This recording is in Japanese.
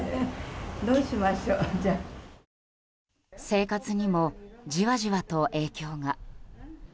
生活にも、じわじわと影響が。